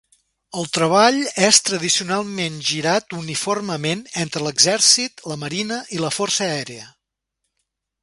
El treball és tradicionalment girat uniformement entre l'exèrcit, la Marina i la força aèria.